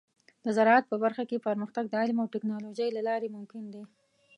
د زراعت په برخه کې پرمختګ د علم او ټیکنالوجۍ له لارې ممکن دی.